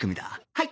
はい！